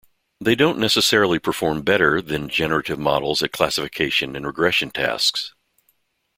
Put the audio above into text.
They don't necessarily perform better than generative models at classification and regression tasks.